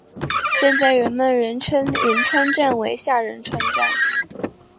现在人们仍称仁川站为下仁川站。